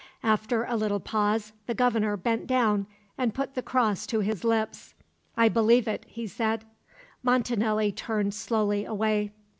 After a little pause, the Governor bent down and put the cross to his lips. "I believe it," he said. Montanelli turned slowly away.